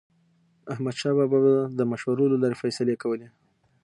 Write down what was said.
احمدشاه بابا به د مشورو له لارې فیصلې کولې.